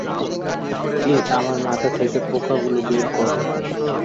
Please আমার মাথা থেকে পোকাগুলো বের করো।